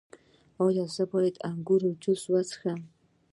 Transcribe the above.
ایا زه باید د انګور جوس وڅښم؟